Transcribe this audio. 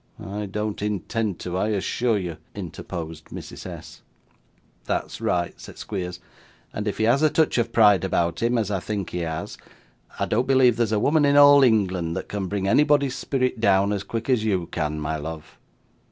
'I don't intend to, I assure you,' interposed Mrs. S. 'That's right,' said Squeers; 'and if he has a touch of pride about him, as I think he has, I don't believe there's woman in all England that can bring anybody's spirit down, as quick as you can, my love.